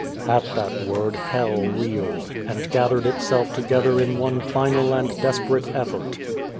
, At that word Hell reeled, and gathered itself together in one final and desperate effort.